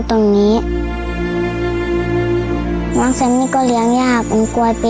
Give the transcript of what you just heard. ลองกันถามอีกหลายเด้อ